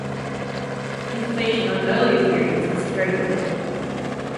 Information on earlier periods is very limited.